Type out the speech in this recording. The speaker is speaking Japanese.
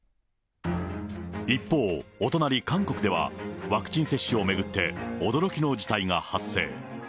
一方、お隣、韓国では、ワクチン接種を巡って、驚きの事態が発生。